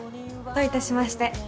どういたしまして。